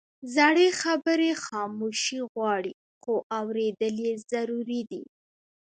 زړه خبرې خاموشي غواړي، خو اورېدل یې ضروري دي.